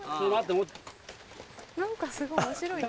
何かすごい面白い。